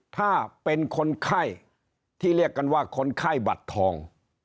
ถ้าเป็นคนไข้ที่เรียกกันว่าคนไข้บัตรทอง